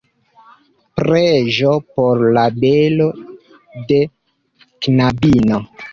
Preĝo por la belo de knabino.